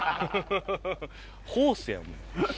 ホースやもん。